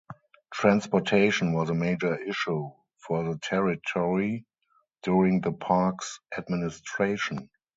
Transportation was a major issue for the territory during the Parks administration.